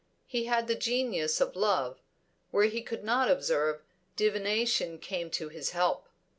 He had the genius of love: where he could not observe, divination came to his help.